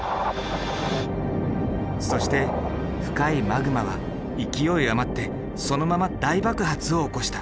そして深いマグマは勢い余ってそのまま大爆発を起こした。